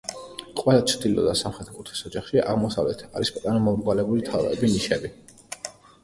ყველა ჩრდილო და სამხრეთ კუთხის ოთახში აღმოსავლეთით არის პატარა მომრგვალებული თაროები, ნიშები.